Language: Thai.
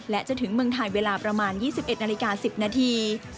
และจะถึงเมืองไทยเวลาประมาณ๒๑นาฬิกา๑๐นาที